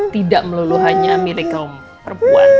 tidak melulu hanya milik kaum perempuan